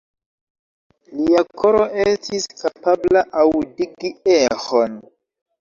Lia koro estis kapabla aŭdigi eĥon.